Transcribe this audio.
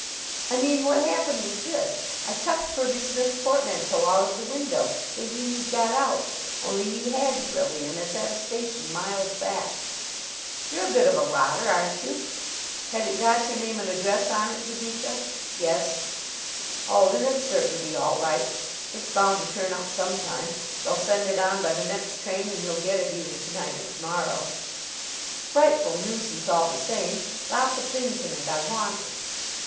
"I mean, what happened was this. I chucked Firby Smith's portmanteau out of the window, thinking he'd got out, only he hadn't really, and it's at a station miles back." "You're a bit of a rotter, aren't you? Had it got your name and address on it, Gazeka?" "Yes." "Oh, then it's certain to be all right. It's bound to turn up some time. They'll send it on by the next train, and you'll get it either to night or to morrow." "Frightful nuisance, all the same. Lots of things in it I wanted."